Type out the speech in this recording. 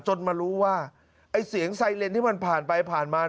มารู้ว่าไอ้เสียงไซเลนที่มันผ่านไปผ่านมา